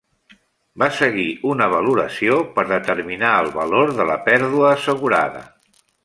Va seguir una valoració, per determinar el valor de la pèrdua assegurada.